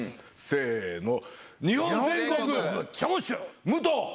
せの！